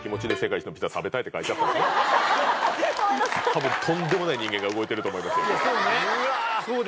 多分とんでもない人間が動いてると思いますよこれ。